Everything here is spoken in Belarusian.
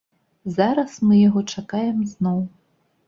Зараз мы яго чакаем зноў.